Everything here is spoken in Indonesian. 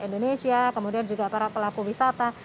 indonesia kemudian juga para pelaku wisata